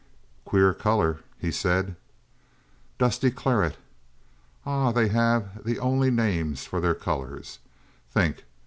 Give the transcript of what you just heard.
"Queer color," he said. "Dusty claret. Ah, they have the only names for their colors. Think!